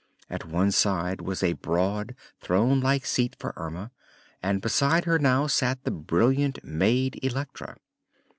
At one side was a broad, throne like seat for Erma and beside her now sat the brilliant maid Electra.